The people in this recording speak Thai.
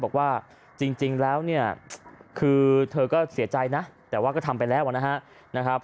บอกว่าจริงแล้วเนี่ยคือเธอก็เสียใจนะแต่ว่าก็ทำไปแล้วนะครับ